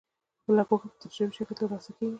بله پوهه په تجربوي شکل ترلاسه کیږي.